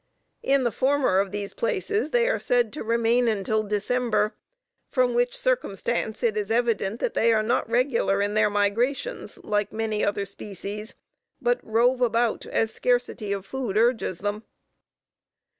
In the former of these places they are said to remain until December; from which circumstance it is evident that they are not regular in their migrations like many other species, but rove about as scarcity of food urges them.